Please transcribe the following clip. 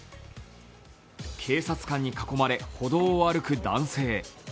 警察官に囲まれ歩道を歩く男性。